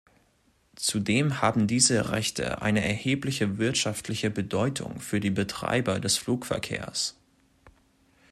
Zudem haben diese Rechte eine erhebliche wirtschaftliche Bedeutung für die Betreiber des Flugverkehrs.